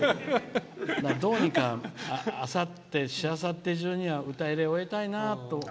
どうにかあさってしあさって中には歌入れを終えたいなと。